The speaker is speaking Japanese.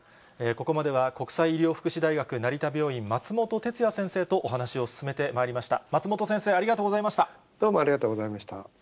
ここまでは、国際医療福祉大学成田病院、松本哲哉先生とお話を進めてまいりました。